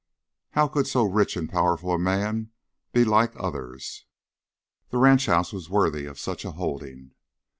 How could so rich and powerful a man be like others? The ranch house was worthy of such a holding.